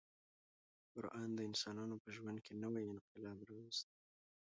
قران د انسانانو په ژوند کې نوی انقلاب راوست.